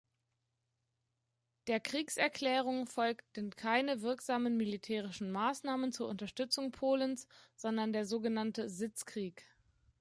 Der Kriegserklärung folgten keine wirksamen militärischen Maßnahmen zur Unterstützung Polens, sondern der sogenannte "Sitzkrieg".